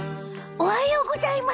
おはようございます。